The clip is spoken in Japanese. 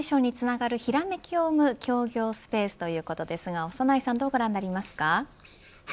イノベーションにつながるひらめきを生む協業スペースということですが長内さんどうご覧になりますか。